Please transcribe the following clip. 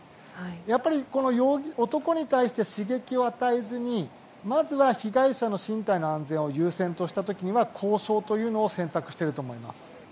やっぱり、男に対して刺激を与えずにまずは被害者の身体の安全を優先した時には交渉というのを選択していると思います。